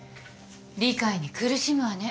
理解に苦しむわね。